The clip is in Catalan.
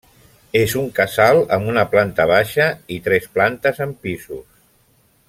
És un casal amb una planta baixa i tres plantes amb pisos.